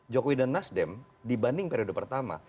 jokowi dan nasdem dibanding periode pertama